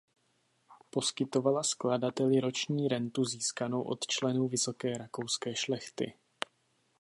Poskytovala skladateli roční rentu získanou od členů vysoké rakouské šlechty.